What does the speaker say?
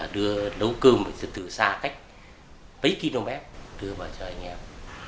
đưa nấu cơm từ xa cách mấy km đưa vào cho anh em